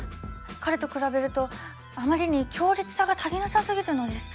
彼と比べるとあまりに強烈さが足りなさすぎるのです。